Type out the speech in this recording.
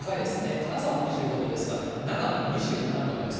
金沢も２５度ですが、長野２７度の予想。